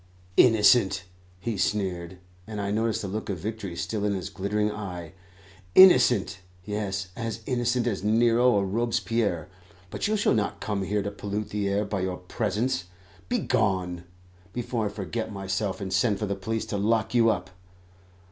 "Innocent!" he sneered, and I noticed a look of victory still in his glittering eye. "Innocent! Yes, as innocent as Nero or Robespierre; but you shall not come here to pollute the air by your presence. Begone! before I forget myself, and send for the police to lock you up.